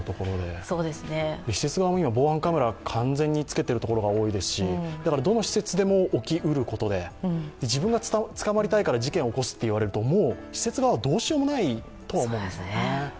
施設側も防犯カメラを完全につけているところも多いですしどの施設でも起きうることで、自分が捕まりたいから事件を起こすと言われると、施設側はどうしようもないと思うんですよね。